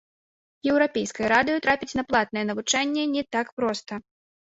Еўрапейскае радыё трапіць на платнае навучанне не так проста.